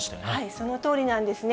そのとおりなんですね。